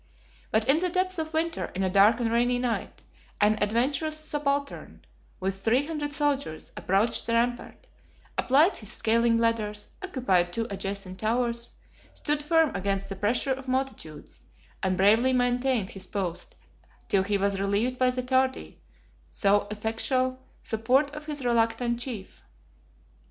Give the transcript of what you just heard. But in the depth of winter, in a dark and rainy night, an adventurous subaltern, with three hundred soldiers, approached the rampart, applied his scaling ladders, occupied two adjacent towers, stood firm against the pressure of multitudes, and bravely maintained his post till he was relieved by the tardy, though effectual, support of his reluctant chief.